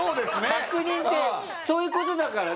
確認ってそういう事だからね。